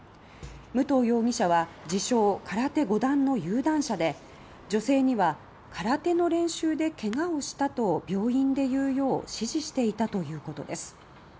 武藤容疑者は自称・空手５段の有段者で女性には「空手の練習で怪我をした」と病院で言うよう指示していたということです。